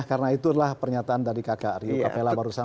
nah karena itulah pernyataan dari kakak riuk kapela baru sangsi